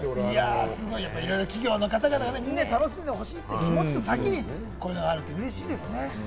いろいろ企業の方々がみんなに楽しんでほしいという気持ちの先にこれがあって、うれしいですね。